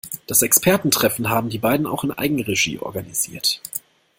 Das Expertentreffen haben die beiden auch in Eigenregie organisiert.